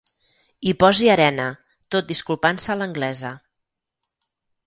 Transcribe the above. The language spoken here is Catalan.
Hi posi arena, tot disculpant-se a l'anglesa.